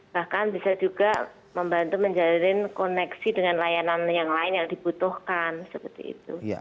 bahkan bisa juga membantu menjalin koneksi dengan layanan yang lain yang dibutuhkan seperti itu